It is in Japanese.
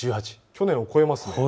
去年を超えますね。